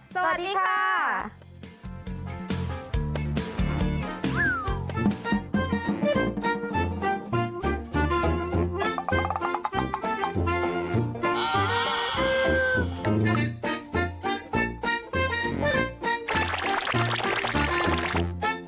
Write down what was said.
สวัสดีค่ะ